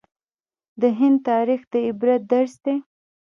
د هند تاریخ د عبرت درس دی.